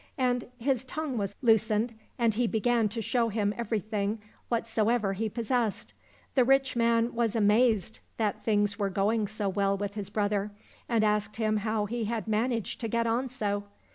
And his tongue was loosened, and he began to show him every thing, whatsoever he possessed. The rich man was amazed that things were going so well with his brother, and asked him how he had managed to get on so.